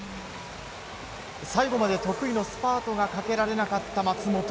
最後まで得意のスパートがかけられなかった松元。